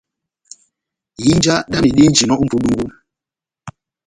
Ihinja dámi dihinjinɔ ó mʼpudungu,